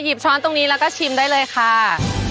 ช้อนตรงนี้แล้วก็ชิมได้เลยค่ะ